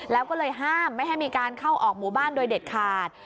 แล้วก็เลยห้ามไม่ให้มีการเข้าออกหมู่บ้านโดยเด็ดขาด